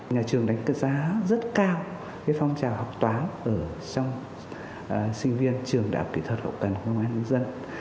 nhà trường đánh giá rất cao phong trào học toán ở trong sinh viên trường đại học kỹ thuật hậu cần công an nhân dân